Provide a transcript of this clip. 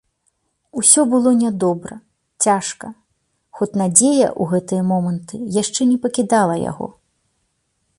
Усё было нядобра, цяжка, хоць надзея ў гэтыя моманты яшчэ не пакідала яго.